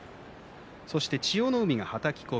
千代の海がはたき込み。